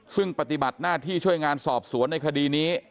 ซึ่งปฏิบัติหน้าที่ช่วยงานสอบสวนในคดีนี้